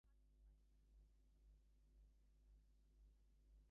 Capitol Peak is located in the Capitol State Forest.